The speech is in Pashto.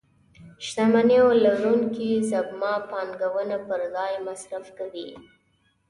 شتمنيو لرونکي سپما پانګونه پر ځای مصرف کوي.